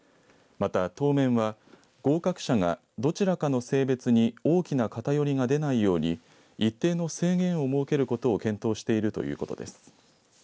また、当面は合格者がどちらかの性別に大きな偏りが出ないように一定の制限を設けることを検討しているということです。